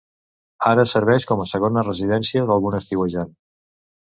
Ara serveix com a segona residència d'algun estiuejant.